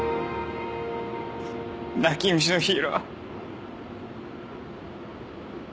泣き虫のヒーロー。